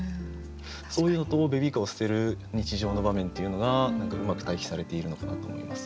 そういうのとベビーカーを捨てる日常の場面というのが何かうまく対比されているのかなと思います。